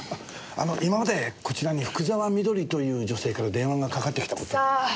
あの今までこちらに福沢美登里という女性から電話がかかってきた事は？さあ？